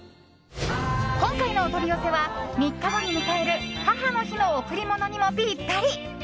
今回のお取り寄せは３日後に迎える母の日の贈り物にもぴったり。